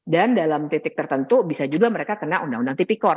dalam titik tertentu bisa juga mereka kena undang undang tipikor